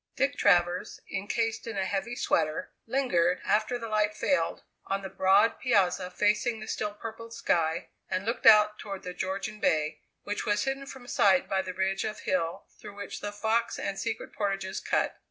Dick Travers, encased in a heavy sweater, lingered, after the light failed, on the broad piazza facing the still purpled sky, and looked out toward the Georgian Bay, which was hidden from sight by the ridge of hill through which the Fox and Secret Portages cut.